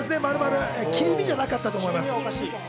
切り身じゃなかったと思います。